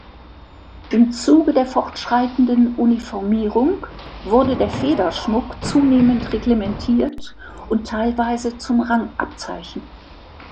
Im Zuge der fortschreitenden Uniformierung wurde der Federschmuck zunehmend reglementiert und teilweise zum Rangabzeichen.